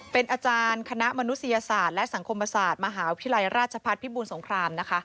เป็นอาจารย์คณะมนุษยศาสตร์และสังคมศาสตร์มหาวิทยาลัยราชพัฒน์พิบูรสงครามนะคะ